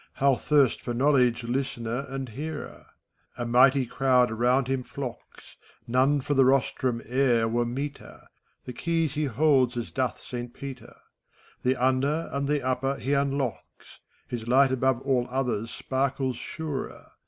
How thirst for knowledge listener and hearer 1 A mighty crowd around him flocks. None for the rostrum e'er were meeter : The keys he holds as doth Saint Peter, The Under and the Upper he unlocks. His light above all others sparkles surer.